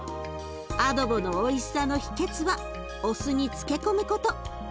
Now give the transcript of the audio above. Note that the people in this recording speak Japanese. アドボのおいしさの秘けつはお酢に漬け込むこと。